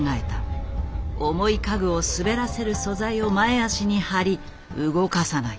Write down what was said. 重い家具を滑らせる素材を前脚に貼り動かさない。